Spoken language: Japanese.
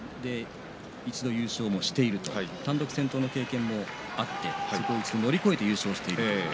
一度、優勝もしている単独先頭の経験もあってそこを乗り越えて優勝している。